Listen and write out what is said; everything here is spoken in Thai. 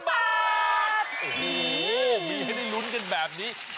โอ้โหมีให้ได้ลุ้นกันแบบนี้